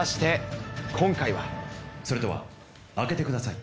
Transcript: それでは開けてください。